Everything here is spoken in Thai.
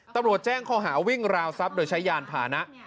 ตำรวจแจ้งข้อหาวิ่งราวทรัพย์โดยใช้ยานพานะ